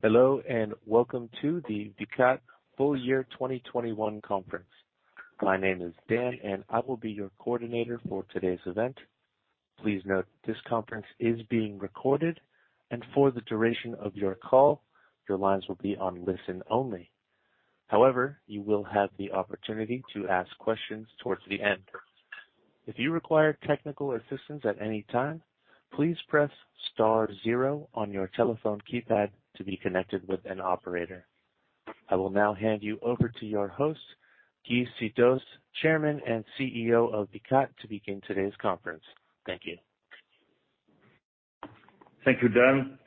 Hello, and welcome to the Vicat full year 2021 conference. My name is Dan, and I will be your coordinator for today's event. Please note this conference is being recorded, and for the duration of your call, your lines will be on listen only. However, you will have the opportunity to ask questions towards the end. If you require technical assistance at any time, please press star zero on your telephone keypad to be connected with an operator. I will now hand you over to your host, Guy Sidos, Chairman and CEO of Vicat, to begin today's conference. Thank you. Thank you, Dan.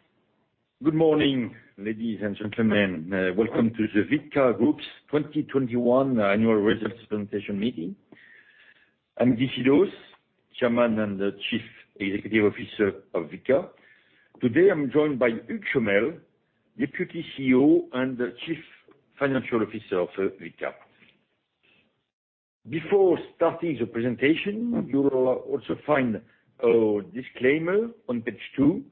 Good morning, ladies and gentlemen. Welcome to the Vicat Group's 2021 annual results presentation meeting. I'm Guy Sidos, Chairman and Chief Executive Officer of Vicat. Today, I'm joined by Hugues Chomel, Deputy CEO and Chief Financial Officer of Vicat. Before starting the presentation, you will also find our disclaimer on page two.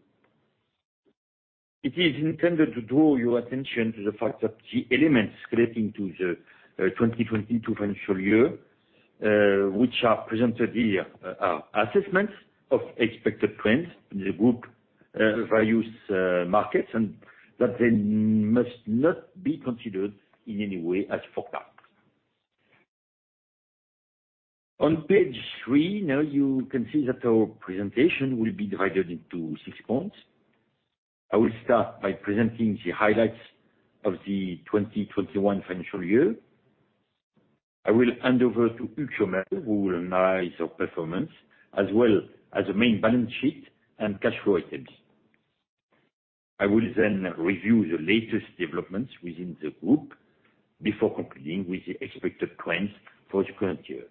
It is intended to draw your attention to the fact that the elements relating to the 2022 financial year, which are presented here are assessments of expected trends in the group, various markets, and that they must not be considered in any way as forecast. On page three, now you can see that our presentation will be divided into six points. I will start by presenting the highlights of the 2021 financial year. I will hand over to Hugues Chomel, who will analyze our performance as well as the main balance sheet and cash flow items. I will then review the latest developments within the group before concluding with the expected trends for the current year.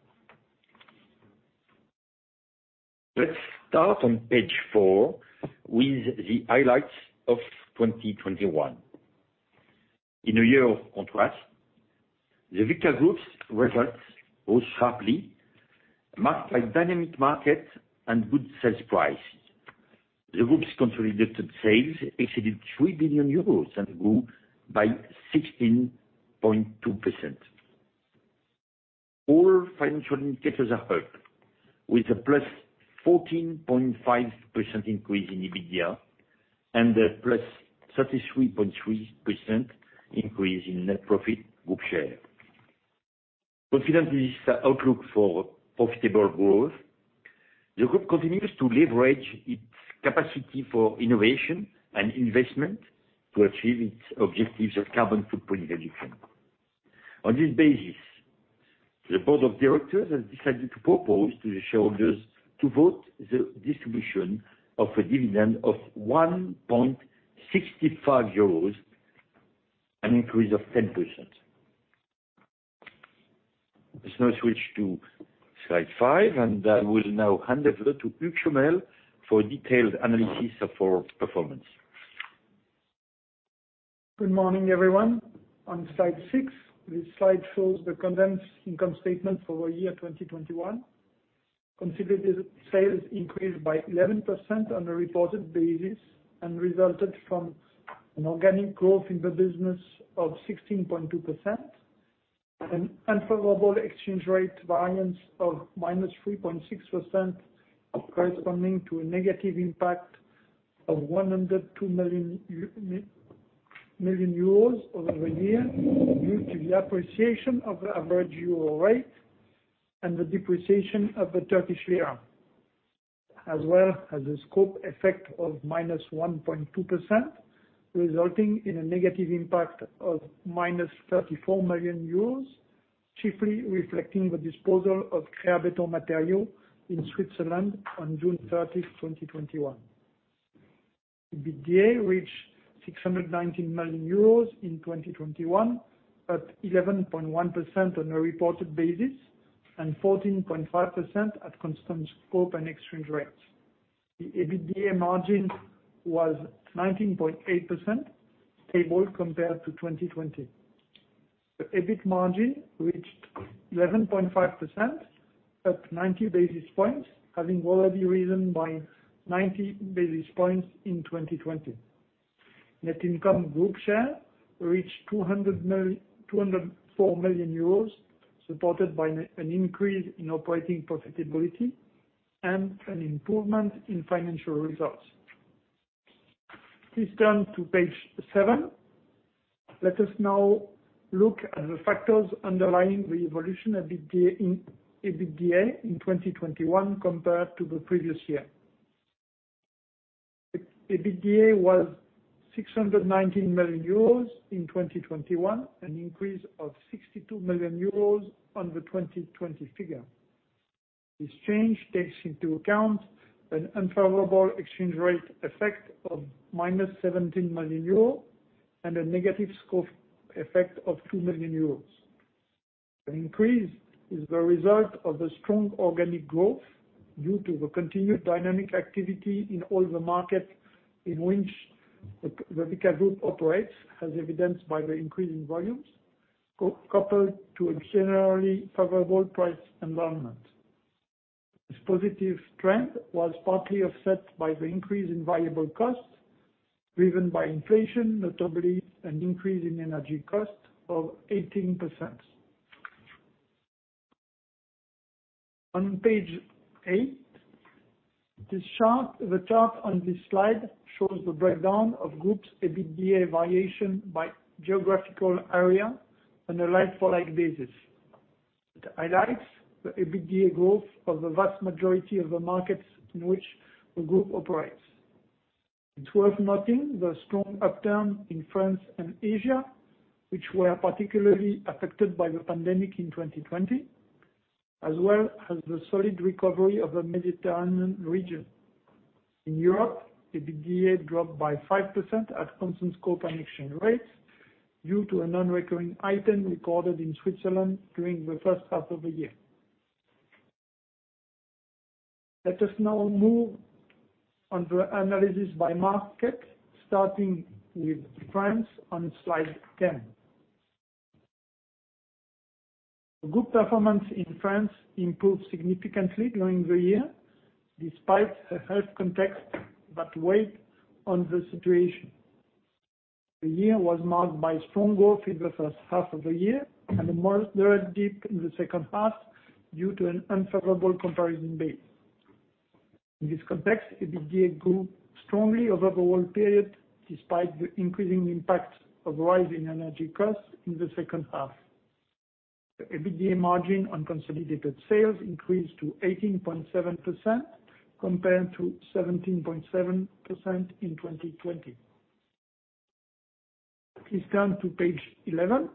Let's start on page four with the highlights of 2021. In a year of contrast, the Vicat Group's results rose sharply, marked by dynamic market and good sales price. The group's consolidated sales exceeded 3 billion euros and grew by 16.2%. All financial indicators are up, with a +14.5% increase in EBITDA and a +33.3% increase in net profit group share. Confident in this outlook for profitable growth, the group continues to leverage its capacity for innovation and investment to achieve its objectives of carbon footprint reduction. On this basis, the board of directors has decided to propose to the shareholders to vote the distribution of a dividend of 1.65 euros, an increase of 10%. Let's now switch to slide five, and I will now hand over to Hugues Chomel for a detailed analysis of our performance. Good morning, everyone. On slide six, this slide shows the condensed income statement for year 2021. Consolidated sales increased by 11% on a reported basis and resulted from an organic growth in the business of 16.2%. An unfavorable exchange rate variance of -3.6% corresponding to a negative impact of 102 million euros over the year. Due to the appreciation of the average euro rate and the depreciation of the Turkish lira, as well as a scope effect of -1.2%, resulting in a negative impact of 34 million euros, chiefly reflecting the disposal of Creabeton Matériaux in Switzerland on June 30, 2021. EBITDA reached 619 million euros in 2021 at 11.1% on a reported basis, and 14.5% at constant scope and exchange rates. The EBITDA margin was 19.8%, stable compared to 2020. The EBIT margin reached 11.5%, up 90 basis points, having already risen by 90 basis points in 2020. Net income group share reached 204 million euros, supported by an increase in operating profitability and an improvement in financial results. Please turn to page seven. Let us now look at the factors underlying the evolution of EBITDA in 2021 compared to the previous year. EBITDA was 619 million euros in 2021, an increase of 62 million euros on the 2020 figure. This change takes into account an unfavorable exchange rate effect of -17 million euro and a negative scope effect of 2 million euros. An increase is the result of the strong organic growth due to the continued dynamic activity in all the markets in which the Vicat Group operates, as evidenced by the increase in volumes coupled to a generally favorable price environment. This positive trend was partly offset by the increase in variable costs, driven by inflation, notably an increase in energy costs of 18%. On page eight, this chart, the chart on this slide shows the breakdown of the Group's EBITDA variation by geographical area on a like-for-like basis. It highlights the EBITDA growth of the vast majority of the markets in which the Group operates. It's worth noting the strong upturn in France and Asia, which were particularly affected by the pandemic in 2020, as well as the solid recovery of the Mediterranean region. In Europe, EBITDA dropped by 5% at constant scope and exchange rates due to a non-recurring item recorded in Switzerland during the first half of the year. Let us now move on to the analysis by market, starting with France on slide 10. The group performance in France improved significantly during the year, despite a health context that weighed on the situation. The year was marked by strong growth in the first half of the year and a moderate dip in the second half due to an unfavorable comparison basis. In this context, EBITDA grew strongly over the whole period, despite the increasing impact of rising energy costs in the second half. The EBITDA margin on consolidated sales increased to 18.7% compared to 17.7% in 2020. Please turn to page 11.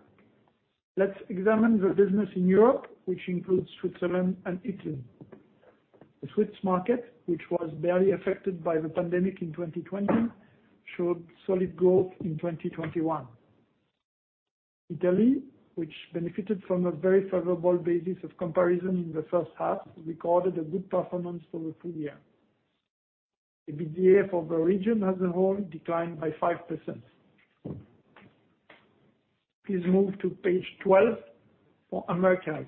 Let's examine the business in Europe, which includes Switzerland and Italy. The Swiss market, which was barely affected by the pandemic in 2020, showed solid growth in 2021. Italy, which benefited from a very favorable basis of comparison in the first half, recorded a good performance for the full year. EBITDA for the region as a whole declined by 5%. Please move to page 12 for Americas.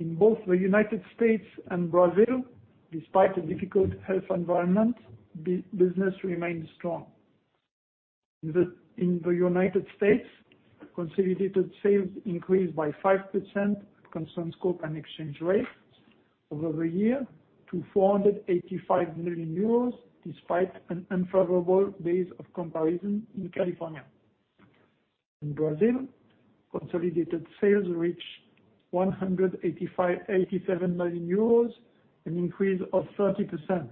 In both the United States and Brazil, despite a difficult health environment, business remained strong. In the United States, consolidated sales increased by 5% at constant scope and exchange rates over the year to 485 million euros, despite an unfavorable base of comparison in California. In Brazil, consolidated sales reached 185.87 million euros, an increase of 30%.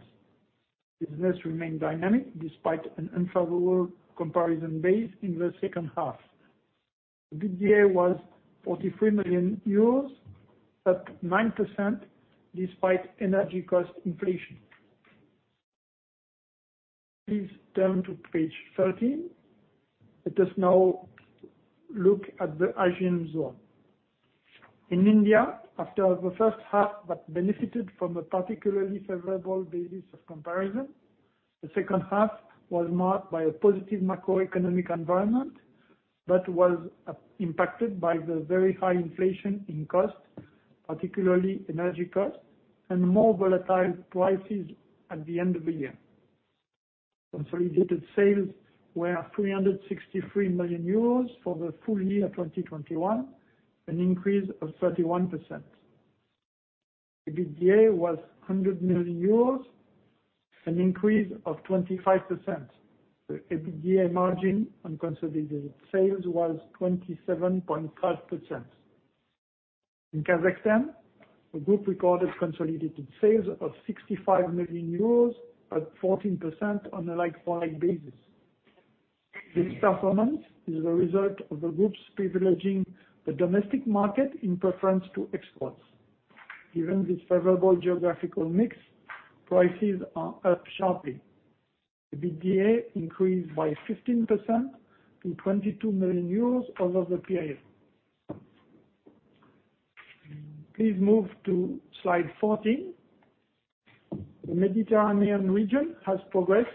Business remained dynamic despite an unfavorable comparison base in the second half. The EBITDA was 43 million euros, up 9% despite energy cost inflation. Please turn to page 13. Let us now look at the Asian zone. In India, after the first half that benefited from a particularly favorable basis of comparison, the second half was marked by a positive macroeconomic environment that was impacted by the very high inflation in costs, particularly energy costs, and more volatile prices at the end of the year. Consolidated sales were 363 million euros for the full year 2021, an increase of 31%. EBITDA was 100 million euros, an increase of 25%. The EBITDA margin on consolidated sales was 27.5%. In Kazakhstan, the group recorded consolidated sales of 65 million euros, up 14% on a like-for-like basis. This performance is the result of the group's privileging the domestic market in preference to exports. Given this favorable geographical mix, prices are up sharply. The EBITDA increased by 15% to 22 million euros over the period. Please move to slide 14. The Mediterranean region has progressed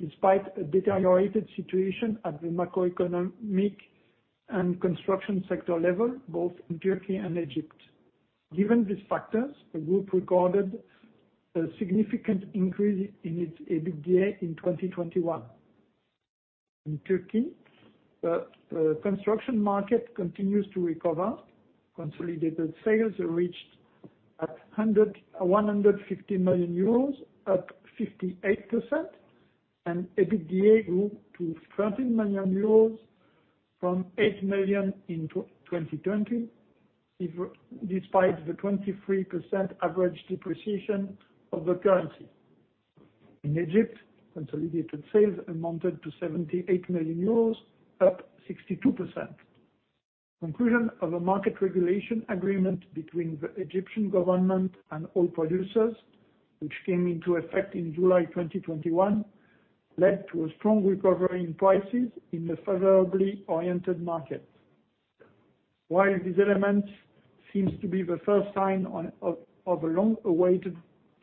despite a deteriorated situation at the macroeconomic and construction sector level, both in Turkey and Egypt. Given these factors, the group recorded a significant increase in its EBITDA in 2021. In Turkey, the construction market continues to recover. Consolidated sales reached one hundred fifty million euros, up 58%, and EBITDA grew to 13 million euros from 8 million in 2020, despite the 23% average depreciation of the currency. In Egypt, consolidated sales amounted to 78 million euros, up 62%. Conclusion of a market regulation agreement between the Egyptian government and oil producers, which came into effect in July 2021, led to a strong recovery in prices in the favorably oriented market. While this element seems to be the first sign of a long-awaited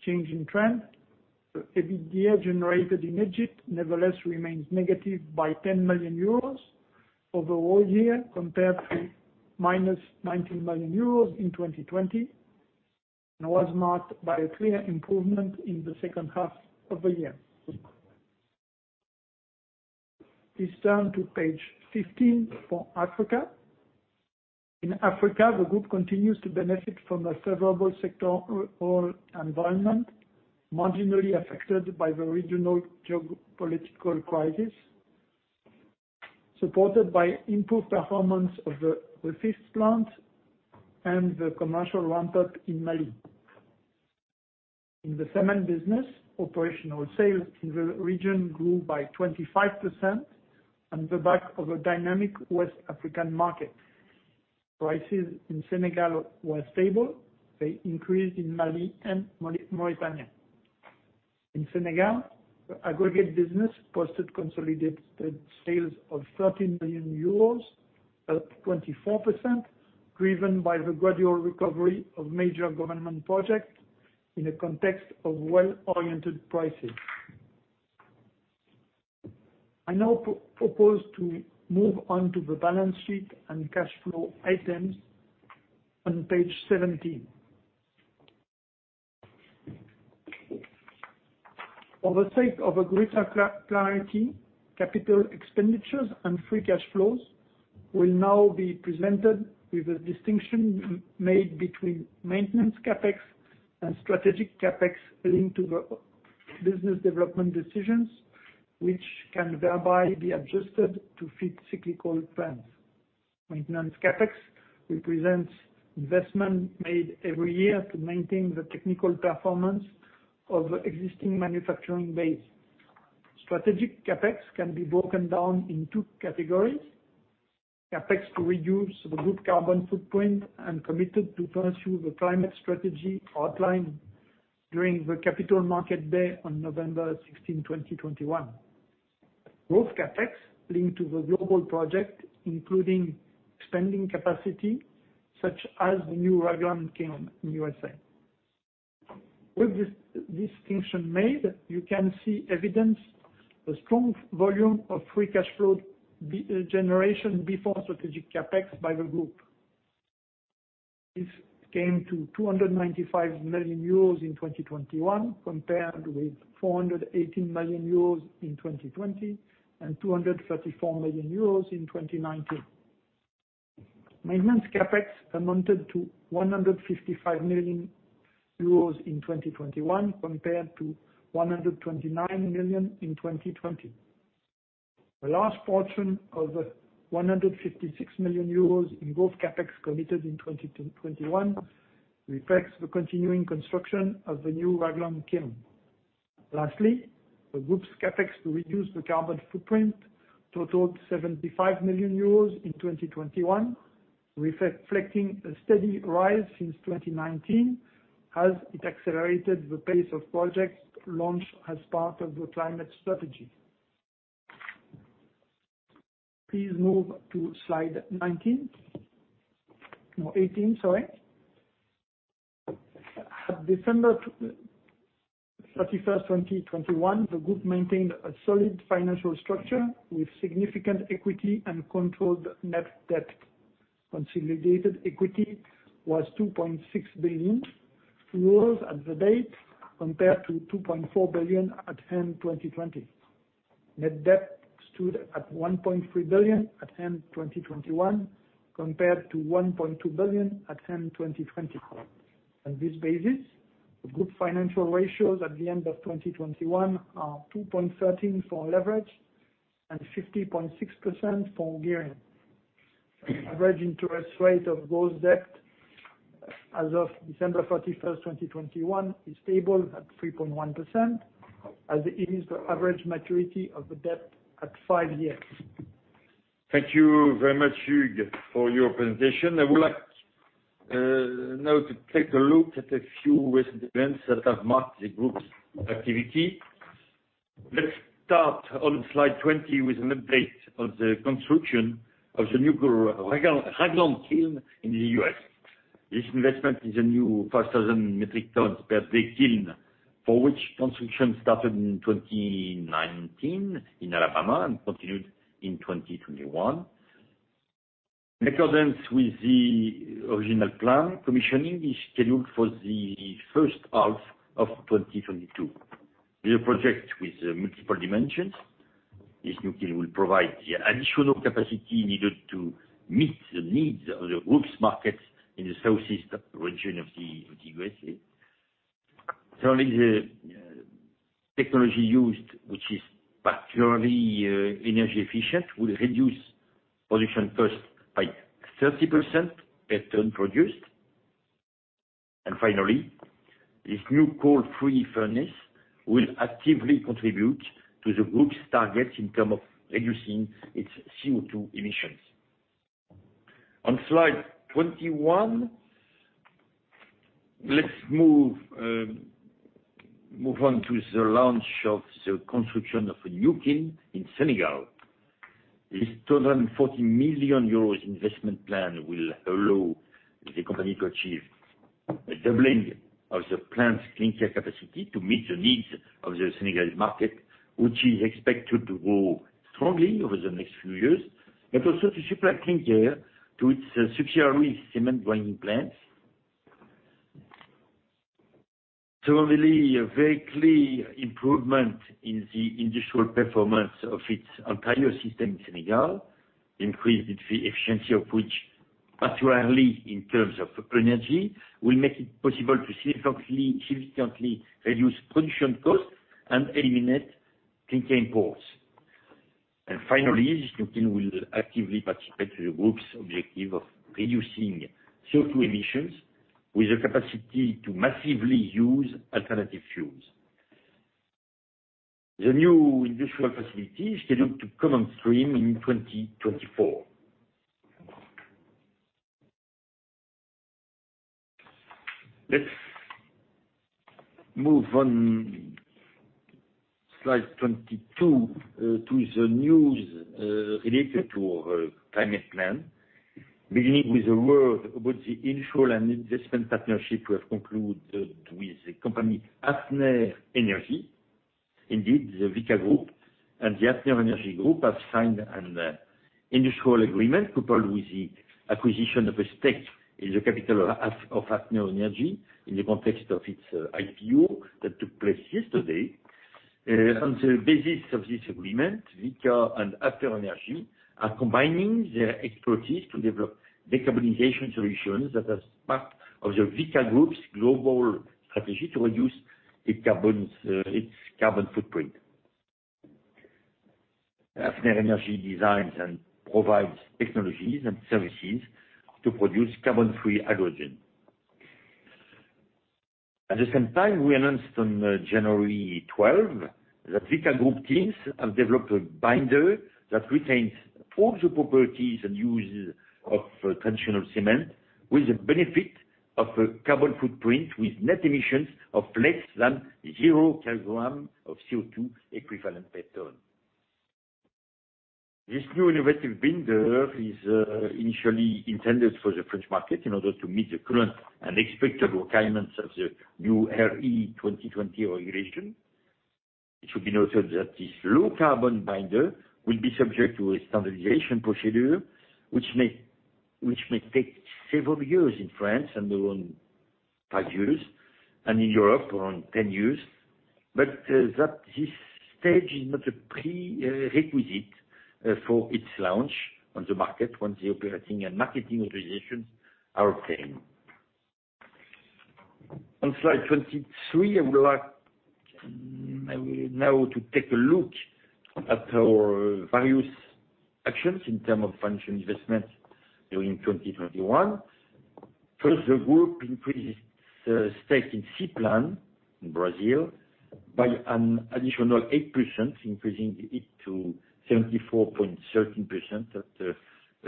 change in trend, the EBITDA generated in Egypt nevertheless remains negative by 10 million euros over the year compared to minus 19 million euros in 2020, and was marked by a clear improvement in the second half of the year. Please turn to page 15 for Africa. In Africa, the group continues to benefit from a favorable sectoral environment marginally affected by the regional geopolitical crisis, supported by improved performance of the Diago plant and the commercial ramp-up in Mali. In the cement business, operational sales in the region grew by 25% on the back of a dynamic West African market. Prices in Senegal were stable. They increased in Mali and Mauritania. In Senegal, the aggregate business posted consolidated sales of 30 million euros, up 24%, driven by the gradual recovery of major government projects in a context of well-oriented prices. I now propose to move on to the balance sheet and cash flow items on page 17. For the sake of a greater clarity, capital expenditures and free cash flows will now be presented with a distinction made between maintenance CapEx and strategic CapEx linked to the business development decisions, which can thereby be adjusted to fit cyclical trends. Maintenance CapEx represents investment made every year to maintain the technical performance of existing manufacturing base. Strategic CapEx can be broken down in two categories. CapEx to reduce the group carbon footprint and committed to pursue the climate strategy outlined during the Capital Markets Day on November 16, 2021. Growth CapEx linked to the global project, including expanding capacity such as the new Ragland kiln in the U.S. With this distinction made, you can see evidence of the strong volume of free cash flow generation before strategic CapEx by the group. This came to 295 million euros in 2021 compared with 418 million euros in 2020 and 234 million euros in 2019. Maintenance CapEx amounted to 155 million euros in 2021 compared to 129 million in 2020. The last portion of the 156 million euros in growth CapEx committed in 2021 reflects the continuing construction of the new Ragland kiln. Lastly, the group's CapEx to reduce the carbon footprint totaled 75 million euros in 2021, reflecting a steady rise since 2019 as it accelerated the pace of project launch as part of the climate strategy. Please move to slide 19. No, 18, sorry. At December 31, 2021, the group maintained a solid financial structure with significant equity and controlled net debt. Consolidated equity was 2.6 billion euros at the date, compared to 2.4 billion at end 2020. Net debt stood at 1.3 billion at end 2021 compared to 1.2 billion at end 2020. On this basis, the group financial ratios at the end of 2021 are 2.13 for leverage and 50.6% for gearing. Average interest rate of gross debt as of December 31, 2021 is stable at 3.1% as it is the average maturity of the debt at five years. Thank you very much, Hugues, for your presentation. I would like now to take a look at a few recent events that have marked the group's activity. Let's start on slide 20 with an update on the construction of the new Ragland kiln in the U.S. This investment is a new 5,000 metric tons per day kiln for which construction started in 2019 in Alabama and continued in 2021. In accordance with the original plan, commissioning is scheduled for the first half of 2022. It is a project with multiple dimensions. This new kiln will provide the additional capacity needed to meet the needs of the group's market in the southeast region of the U.S. Thirdly, the technology used, which is particularly energy efficient, will reduce production cost by 30% per ton produced. Finally, this new coal-free furnace will actively contribute to the group's targets in terms of reducing its CO₂ emissions. On slide 21, let's move on to the launch of the construction of a new kiln in Senegal. This 240 million euros investment plan will allow the company to achieve a doubling of the plant's clinker capacity to meet the needs of the Senegal market, which is expected to grow strongly over the next few years, but also to supply clinker to its subsidiary cement grinding plants. Really a very clear improvement in the industrial performance of its entire system in Senegal, increased efficiency of which, particularly in terms of energy, will make it possible to significantly reduce production costs and eliminate clinker imports. Finally, this new kiln will actively participate in the group's objective of reducing CO₂ emissions with the capacity to massively use alternative fuels. The new industrial facility is scheduled to come on stream in 2024. Let's move on slide 22 to the news related to our climate plan, beginning with a word about the initial and investment partnership we have concluded with the company, Haffner Energy. Indeed, the Vicat Group and the Haffner Energy Group have signed an industrial agreement coupled with the acquisition of a stake in the capital of Haffner Energy in the context of its IPO that took place yesterday. On the basis of this agreement, Vicat and Haffner Energy are combining their expertise to develop decarbonization solutions that are part of the Vicat Group's global strategy to reduce its carbon footprint. Haffner Energy designs and provides technologies and services to produce carbon-free hydrogen. At the same time, we announced on January 12 that Vicat Group teams have developed a binder that retains all the properties and uses of traditional cement with the benefit of a carbon footprint with net emissions of less than 0 kg of CO₂ equivalent per ton. This new innovative binder is initially intended for the French market in order to meet the current and expected requirements of the new RE 2020 regulation. It should be noted that this low carbon binder will be subject to a standardization procedure, which may take several years in France, around five years, and in Europe, around 10 years. That this stage is not a prerequisite for its launch on the market when the operating and marketing authorizations are obtained. On slide 23, I would like now to take a look at our various actions in terms of financial investment during 2021. First, the group increased its stake in Ciplan in Brazil by an additional 8%, increasing it to 74.13% at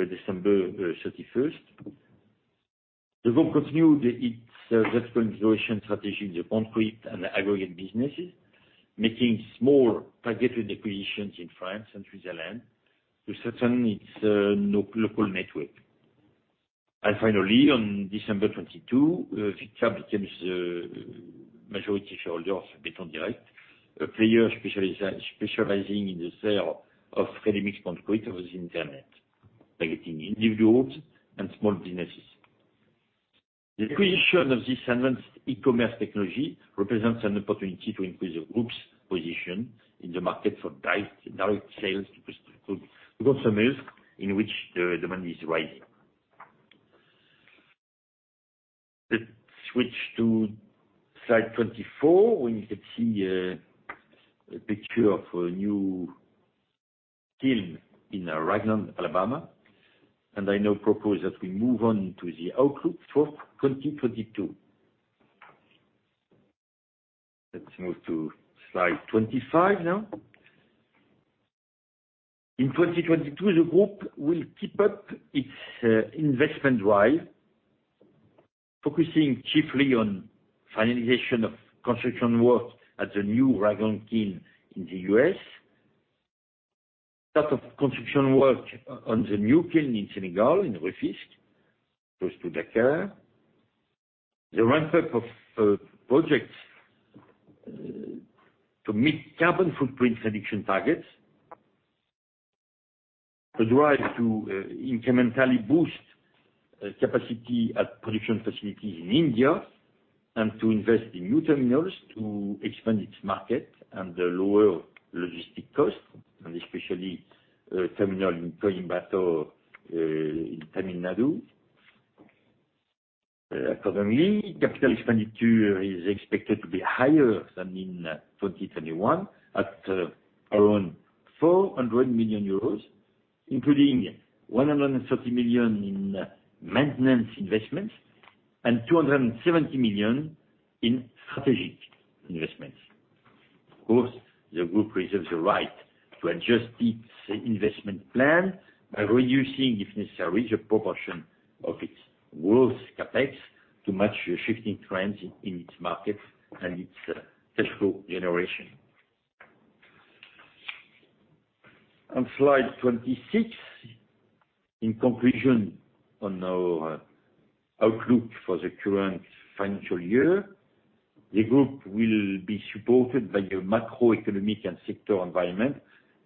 December 31. The group continued its geographical expansion strategy in the concrete and aggregate businesses, making small targeted acquisitions in France and Switzerland to cement its local network. Finally, on December 22, Vicat becomes a majority shareholder of Béton Direct, a player specializing in the sale of ready-mix concrete over the internet, targeting individuals and small businesses. The creation of this advanced e-commerce technology represents an opportunity to increase the group's position in the market for direct sales to customers in which the demand is rising. Let's switch to slide 24, where you can see a picture of a new kiln in Ragland, Alabama, and I now propose that we move on to the outlook for 2022. Let's move to slide 25 now. In 2022, the group will keep up its investment drive, focusing chiefly on finalization of construction work at the new Ragland kiln in the U.S., start of construction work on the new kiln in Senegal, in Rufisque, close to Dakar, the ramp-up of projects to meet carbon footprint reduction targets, the drive to incrementally boost capacity at production facilities in India, and to invest in new terminals to expand its market and lower logistics costs, and especially terminal in Coimbatore in Tamil Nadu. Accordingly, capital expenditure is expected to be higher than in 2021 at around 400 million euros, including 130 million in maintenance investments and 270 million in strategic investments. Of course, the group reserves the right to adjust its investment plan by reducing, if necessary, the proportion of its growth CapEx to match the shifting trends in its markets and its cash flow generation. On slide 26, in conclusion on our outlook for the current financial year, the group will be supported by the macroeconomic and sector environment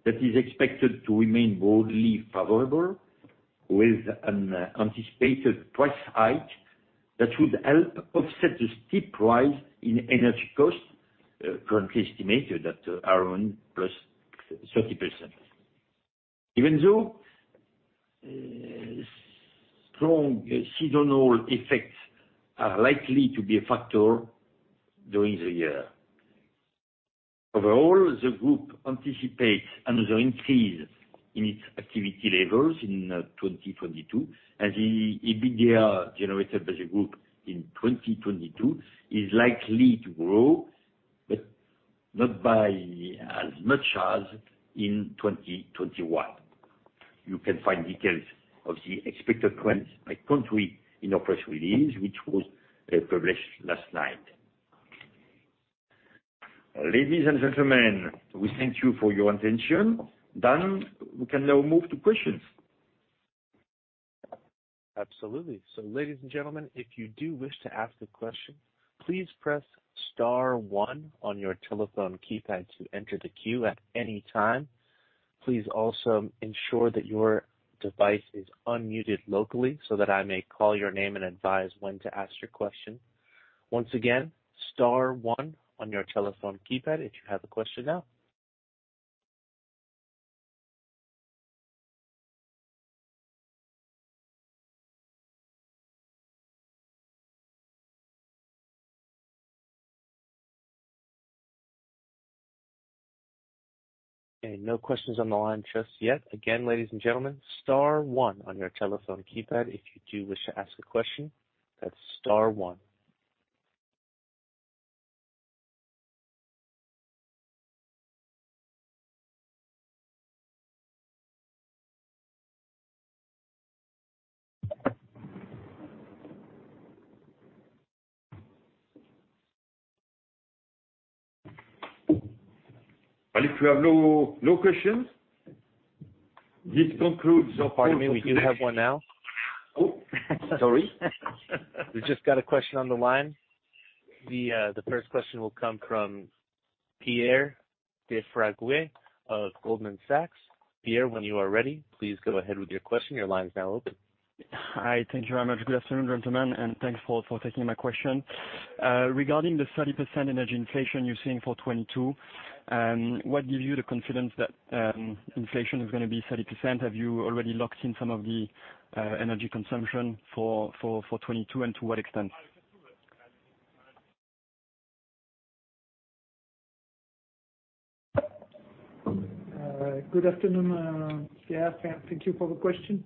that is expected to remain broadly favorable with an anticipated price hike that would help offset the steep rise in energy costs, currently estimated at around +30%. Even though strong seasonal effects are likely to be a factor during the year. Overall, the group anticipates another increase in its activity levels in 2022, as the EBITDA generated by the group in 2022 is likely to grow, but not by as much as in 2021. You can find details of the expected trends by country in our press release, which was published last night. Ladies and gentlemen, we thank you for your attention. Dan, we can now move to questions. Absolutely. Ladies and gentlemen, if you do wish to ask a question, please press star one on your telephone keypad to enter the queue at any time. Please also ensure that your device is unmuted locally so that I may call your name and advise when to ask your question. Once again, star one on your telephone keypad if you have a question now. Okay, no questions on the line just yet. Again, ladies and gentlemen, star one on your telephone keypad if you do wish to ask a question. That's star one. If we have no questions, this concludes our- Pardon me, we do have one now. Oh, sorry. We just got a question on the line. The first question will come from Pierre de Fraguier of Goldman Sachs. Pierre, when you are ready, please go ahead with your question. Your line is now open. Hi. Thank you very much. Good afternoon, gentlemen, and thanks for taking my question. Regarding the 30% energy inflation you're seeing for 2022, what gives you the confidence that inflation is gonna be 30%? Have you already locked in some of the energy consumption for 2022 and to what extent? Good afternoon, Pierre. Thank you for the question.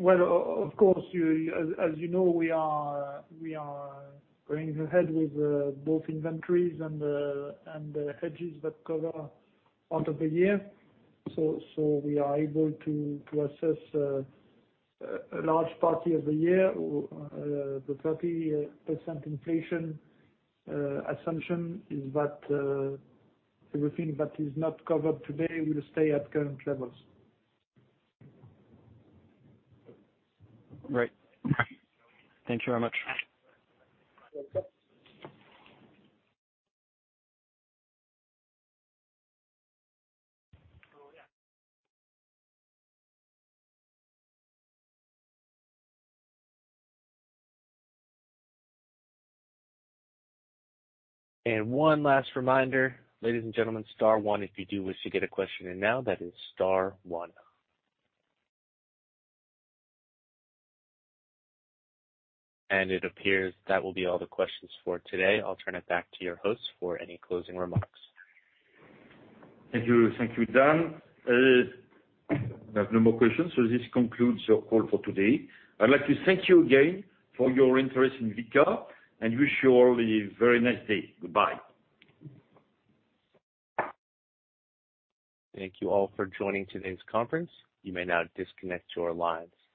Well, of course, as you know, we are going ahead with both inventories and hedges that cover out to the year. So we are able to cover a large part of the year. The 30% inflation assumption is that everything that is not covered today will stay at current levels. Great. Thank you very much. You're welcome. One last reminder, ladies and gentlemen, star one if you do wish to get a question in now. That is star one. It appears that will be all the questions for today. I'll turn it back to your host for any closing remarks. Thank you. Thank you, Dan. There are no more questions, so this concludes our call for today. I'd like to thank you again for your interest in Vicat and wish you all a very nice day. Goodbye. Thank you all for joining today's conference. You may now disconnect your lines.